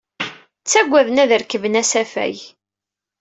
Ttagaden ad rekben asafag.